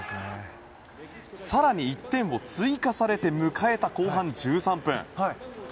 更に１点を追加されて迎えた後半１３分。